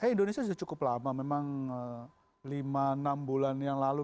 indonesia sudah cukup lama memang lima enam bulan yang lalu